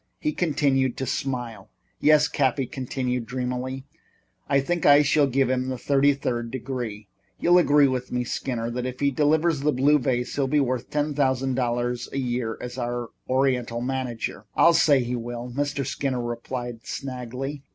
He continued to smile. "Yes," Cappy continued dreamily, "I think I shall give him the thirty third degree. You'll agree with me, Skinner, that if he delivers the blue vase he'll be worth ten thousand dollars a year as our Oriental manager?" "I'll say he will," Mr. Skinner replied slangily.